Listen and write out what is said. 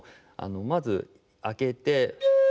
まず開けて。